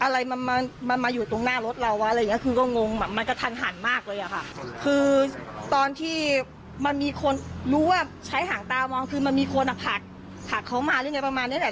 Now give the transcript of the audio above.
ในห่างตามองคือมันมีคนอ่ะผักผักเขามาหรือยังไงประมาณนี้แหละ